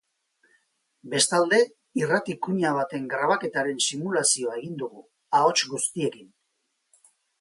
Bestalde, irrati kuña baten grabaketaren simulazioa egin dugu, ahots guztiekin.